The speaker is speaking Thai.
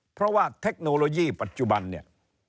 เพราะว่าเทคโนโลยีปัจจุบันเนี่ย